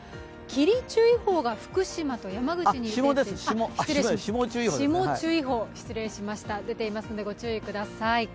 霜注意報が福島と山口に出ていますので、ご注意ください。